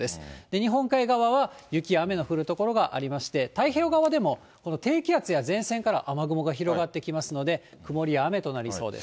日本海側は、雪や雨の降る所がありまして、太平洋側でもこの低気圧や前線から雨雲が広がってきますので、曇りや雨となりそうです。